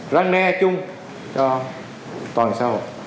ráng ne chung cho toàn xã hội